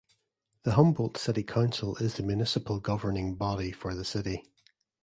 The Humboldt City Council is the municipal governing body for the city.